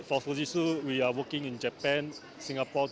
tapi untuk fujitsu kami bekerja di jepang singapura